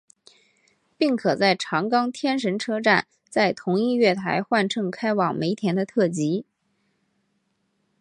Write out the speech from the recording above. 并可在长冈天神车站在同一月台换乘开往梅田的特急。